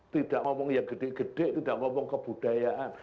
tidak ngomong yang gede gede tidak ngomong kebudayaan